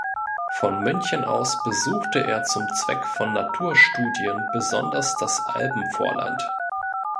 Von München aus besuchte er zum Zweck von Naturstudien besonders das Alpenvorland.